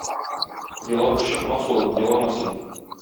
Елап эш чыкмас, улым, елама син.